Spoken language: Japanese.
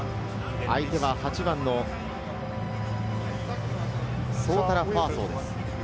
相手は８番のソオタラ・ファアソオです。